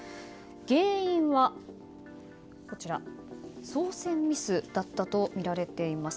原因は操船ミスだったとみられています。